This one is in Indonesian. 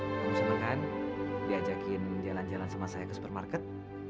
kamu sebetulnya diajakin jalan jalan sama saya ke supermarket